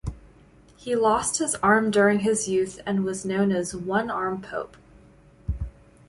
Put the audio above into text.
He lost his arm during his youth and was known as "One-Arm Pope".